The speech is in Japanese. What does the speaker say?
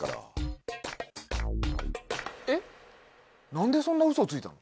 何でそんなウソついたの？